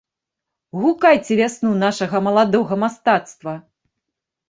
Гукайце вясну нашага маладога мастацтва!